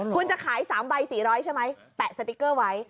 คุณจะขาย๓ใบ๔๐๐ใช่ไหมแปะสติ๊กเกอร์ไว้